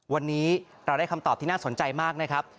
วันนี้เราได้คำตอบที่น่าสนใจมากนะครับ